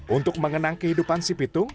untuk mengenang kehidupan si pitung